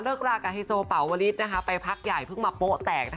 เลิกลากับไฮโซปาววอลิสไปพักใหญ่เพิ่งมาโปแตก